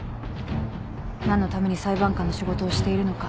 何のために裁判官の仕事をしているのか。